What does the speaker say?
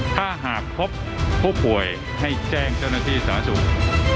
ถ้าหากพบผู้ป่วยให้แจ้งเจ้าหน้าที่สาธารณสุข